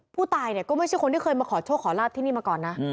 ผู้ตายเนี่ยก็ไม่ใช่คนที่เคยมาขอโชคขอลาบที่นี่มาก่อนนะ